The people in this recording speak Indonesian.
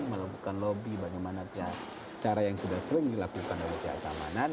melakukan lobby bagaimana cara yang sudah sering dilakukan oleh pihak keamanan